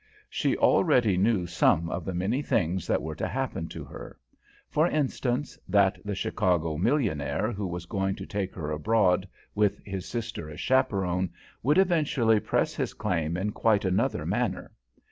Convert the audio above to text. She already knew some of the many things that were to happen to her; for instance, that the Chicago millionaire who was going to take her abroad with his sister as chaperone, would eventually press his claim in quite another manner.